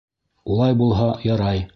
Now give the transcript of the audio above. Улай булһа, ярай.